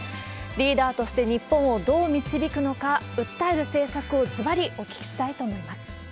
リーダーとして日本をどう導くのか、訴える政策をずばりお聞きしたいと思います。